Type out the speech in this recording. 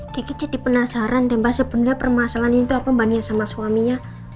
gekit jadi penasaran dan bahas sebenarnya permasalahan ini tuh apa mbak nia sama suaminya